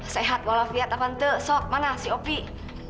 sehat wala fiat apaan teh sok mana si opik